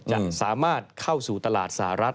จะสามารถเข้าสู่ตลาดสหรัฐ